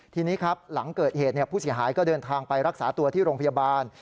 ทีนี้ครับหลังเกิดเหตุผู้เสียหายก็เดินทางไปรักษาตัวที่โรงพยาบาล